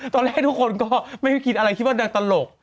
ตอนแรกทุกคนก็ไม่ได้คิดอะไรคิดว่าดังตลก